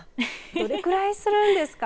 どれくらいするんですか。